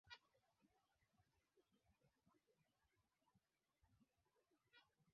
Arua awali alishatkiwa na uhaini akiwa pamoja na wengine thelathini na moja Serikali haijatoa